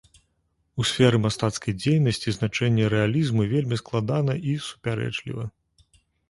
У сферы мастацкай дзейнасці значэнне рэалізму вельмі складана і супярэчліва.